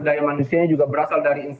daya manusianya juga berasal dari